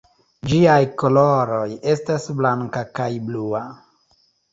Ĝiaj koloroj estas blanka kaj blua.